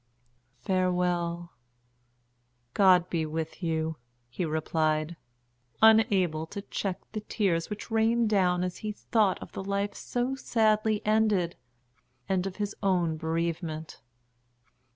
"Farewell!" "God be with you!" he replied, unable to check the tears which rained down as he thought of the life so sadly ended, and of his own bereavement.